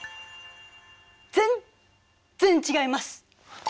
全然違います！